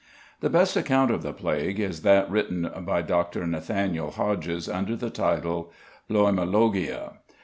The best account of the plague is that written by =Dr. Nathaniel Hodges=, under the title "Loimologia."